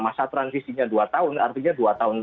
masa transisinya dua tahun artinya dua tahun